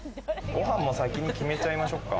ご飯も先に決めちゃいましょうか。